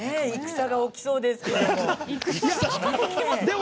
戦が起きそうですけど。